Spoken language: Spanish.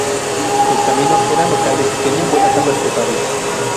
Sus caminos eran locales; tenía buenas aguas potables.